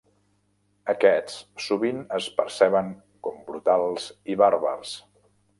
Aquests sovint es perceben com brutals i bàrbars.